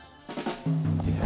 いや。